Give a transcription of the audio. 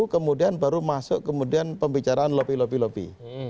kemudian baru masuk kemudian pembicaraan lobby lobby lobby